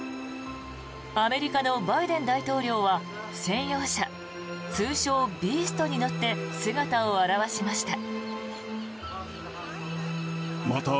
アメリカのバイデン大統領は専用車、通称・ビーストに乗って姿を現しました。